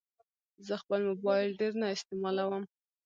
زه خپل موبایل ډېر نه استعمالوم.